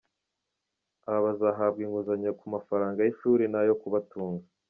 Aba bazahabwa inguzanyo ku mafaranga y’ishuri n’ayo kubatunga.